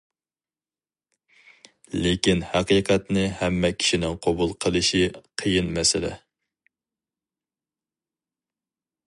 لېكىن ھەقىقەتنى ھەممە كىشىنىڭ قوبۇل قىلىشى قىيىن مەسىلە.